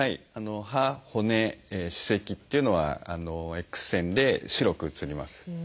歯骨歯石っていうのはＸ線で白く写ります。